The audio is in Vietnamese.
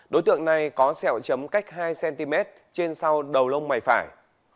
đối tượng này có sẹo chấm cách hai cm trên sau đầu lông mày phải